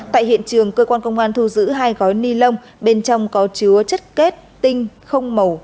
tại hiện trường cơ quan công an thu giữ hai gói ni lông bên trong có chứa chất kết tinh không màu